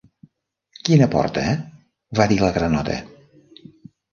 "Quina porta?", va dir la granota.